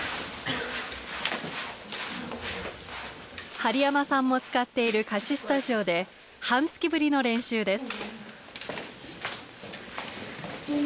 針山さんも使っている貸しスタジオで半月ぶりの練習です。